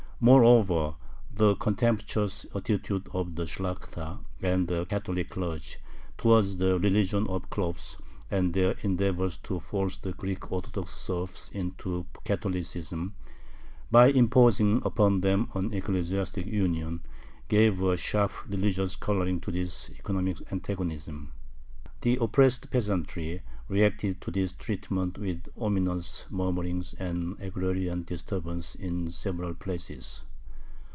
Moreover, the contemptuous attitude of the Shlakhta and the Catholic clergy towards the "religion of khlops," and their endeavors to force the Greek Orthodox serfs into Catholicism, by imposing upon them an ecclesiastic union, gave a sharp religious coloring to this economic antagonism. The oppressed peasantry reacted to this treatment with ominous murmurings and agrarian disturbances in several places.